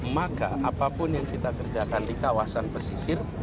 maka apapun yang kita kerjakan di kawasan pesisir